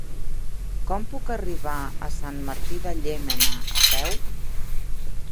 Com puc arribar a Sant Martí de Llémena a peu?